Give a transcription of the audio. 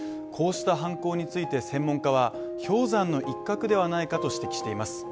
こうした犯行について専門家は氷山の一角ではないかと指摘しています。